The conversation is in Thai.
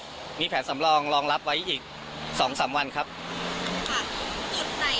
อันนี้แผนสำลองรองรับไว้อีกสองสามวันครับค่ะจุดใดบ้างที่เป็นจุดจำบุญใจนี่ค่ะ